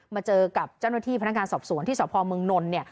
มาเจอกับเจ้าหน้าที่พนักงานสอบสวนที่สพเมืองนนท์